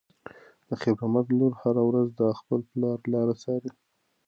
د خیر محمد لور هره ورځ د خپل پلار لاره څاري.